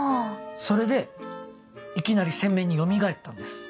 それでいきなり鮮明によみがえったんです。